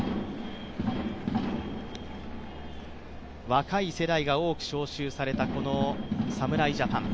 若い世代が多く招集されたこの侍ジャパン。